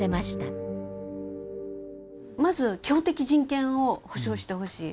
まず基本的人権を保障してほしい。